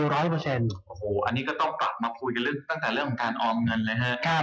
มาพูดกันตั้งแต่เรื่องของการออมนั้นเลยฮะ